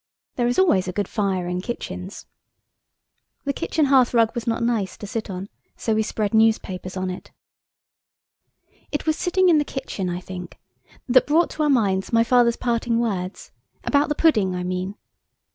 There is always a good fire in kitchens. The kitchen hearthrug was not nice to sit on, so we spread newspapers on it. It was sitting in the kitchen, I think, that brought to our minds my father's parting words–about the pudding, I mean.